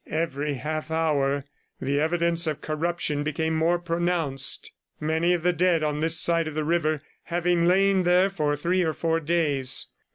Every half hour, the evidence of corruption became more pronounced many of the dead on this side of the river having lain there for three or four days.